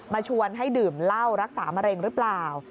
ชวนให้ดื่มเหล้ารักษามะเร็งหรือเปล่า